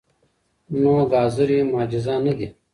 نو ګازرې معجزه نه دي.